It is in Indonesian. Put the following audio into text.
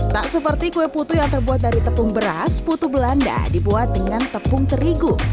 tak seperti kue putu yang terbuat dari tepung beras putu belanda dibuat dengan tepung terigu